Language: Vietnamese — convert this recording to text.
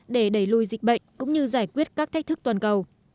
để đẩy lùi dịch bệnh cũng như giải quyết các thách thức toàn cầu